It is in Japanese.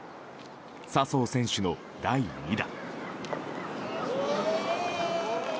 笹生選手の第２打。